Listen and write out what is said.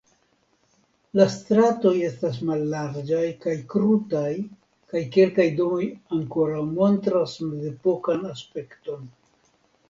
La stratoj estas mallarĝaj kaj krutaj kaj kelkaj domoj ankoraŭ montras mezepokan aspekton.